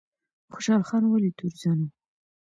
خوشحال خان ولې تورزن و؟